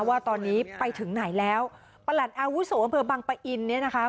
ว่าตอนนี้ไปถึงไหนแล้วประหลัดอาวุโสอำเภอบังปะอินเนี่ยนะคะ